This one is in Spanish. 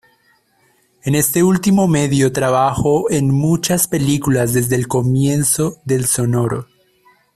En este último medio trabajo en muchas películas desde el comienzo del sonoro.